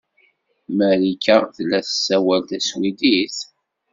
Marika tella tessawal taswidit?